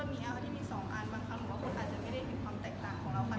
วงมาว่ามันจะไม่ร้องแล้ว